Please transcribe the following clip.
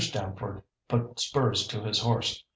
Stamford put spurs to his horse.